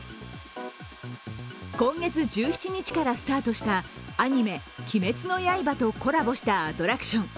今月１７日からスタートした、アニメ「鬼滅の刃」をコラボしたアトラクション。